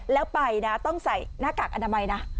แล้วไปนะต้องใส่หน้ากากอนามัยนะ